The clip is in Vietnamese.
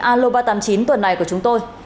aloba tám mươi chín tuần này của chúng tôi